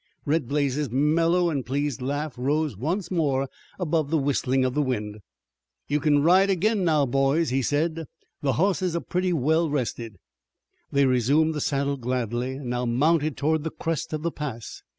Red Blaze's mellow and pleased laugh rose once more above the whistling of the wind. "You kin ride ag'in now, boys," he said. "The hosses are pretty well rested." They resumed the saddle gladly and now mounted toward the crest of the pass.